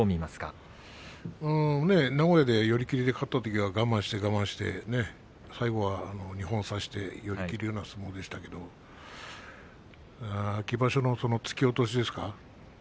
名古屋で寄り切りで勝ったときは我慢して我慢して最後は二本差して寄り切るような相撲でしたけれども秋場所の突き落としですか？